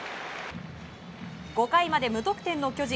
５回まで無得点の巨人。